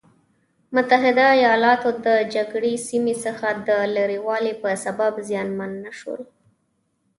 متحده ایلاتو د جګړې سیمې څخه د لرې والي په سبب زیانمن نه شول.